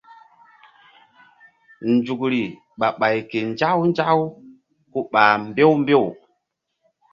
Nzukri ɓah ɓay ke nzaku nzaku ku ɓah mbew mbew.